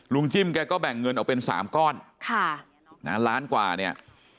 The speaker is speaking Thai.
จิ้มแกก็แบ่งเงินออกเป็น๓ก้อนค่ะนะล้านกว่าเนี่ย